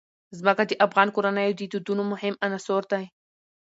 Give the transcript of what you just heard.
ځمکه د افغان کورنیو د دودونو مهم عنصر دی.